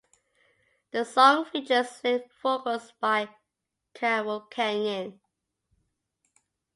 The song features lead vocals by Carol Kenyon.